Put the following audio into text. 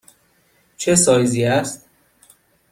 چه سایزی است؟